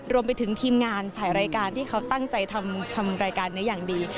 รวมไปถึงทีมงานฝ่ายรายการที่เขาตั้งใจทำรายการนี้อย่างดี